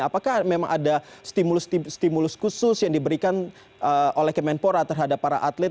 apakah memang ada stimulus stimulus khusus yang diberikan oleh kemenpora terhadap para atlet